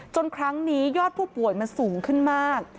ครั้งนี้ยอดผู้ป่วยมันสูงขึ้นมาก